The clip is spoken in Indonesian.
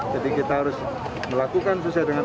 jadi kita harus melakukan sesuai dengan